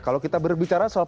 kalau kita berbicara soal